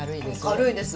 軽いです